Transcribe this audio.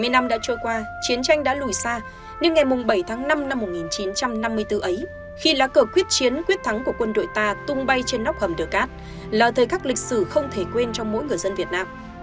bảy mươi năm đã trôi qua chiến tranh đã lùi xa nhưng ngày bảy tháng năm năm một nghìn chín trăm năm mươi bốn ấy khi lá cờ quyết chiến quyết thắng của quân đội ta tung bay trên nóc hầm đờ cát là thời khắc lịch sử không thể quên trong mỗi người dân việt nam